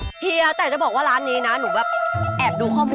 เพี้ยแต่จะบอกว่าร้านนี้นะหนูแบบแอบดูข้อมูล